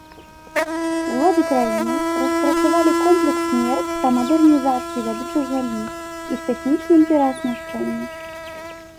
Улады краіны распрацавалі комплекс мер па мадэрнізацыі вядучых галін, іх тэхнічным перааснашчэнні.